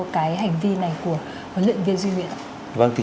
cái hành vi này của huấn luyện viên duy nguyễn vâng thì